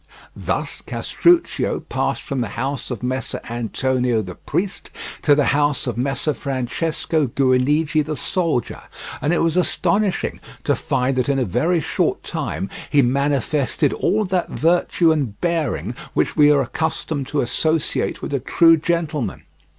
Thus Castruccio passed from the house of Messer Antonio the priest to the house of Messer Francesco Guinigi the soldier, and it was astonishing to find that in a very short time he manifested all that virtue and bearing which we are accustomed to associate with a true gentleman.